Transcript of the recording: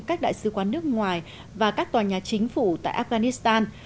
các đại sứ quán nước ngoài và các tòa nhà chính phủ tại afghanistan